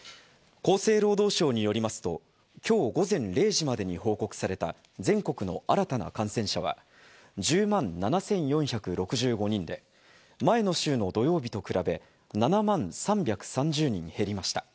厚生労働省によりますと、きょう午前０時までに報告された全国の新たな感染者は１０万７４６５人で、前の週の土曜日と比べ、７万３３０人減りました。